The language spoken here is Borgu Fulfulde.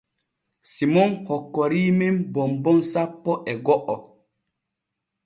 Simon hokkorii men bonbon sappo e go’o.